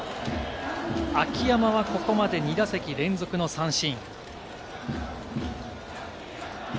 秋山はここまで２打席連続の三振。